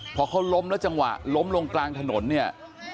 พอเขาล้มแล้วจังหวะล้มลงกลางถนนเนี่ย